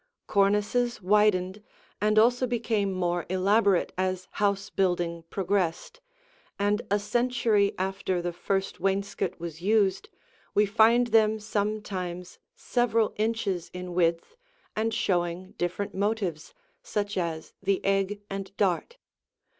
Cornices widened and also became more elaborate as house building progressed, and a century after the first wainscot was used, we find them sometimes several inches in width and showing different motives, such as the egg and dart.